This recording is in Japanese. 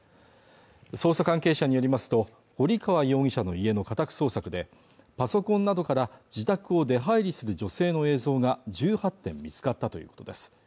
捜査関係者によりますと堀川容疑者の家の家宅捜索でパソコンなどから自宅を出入りする女性の映像が１８点見つかったということです